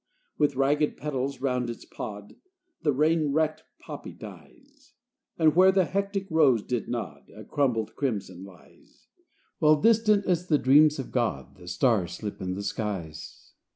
With ragged petals round its pod The rain wrecked poppy dies; And where the hectic rose did nod A crumbled crimson lies; While distant as the dreams of God The stars slip in the skies.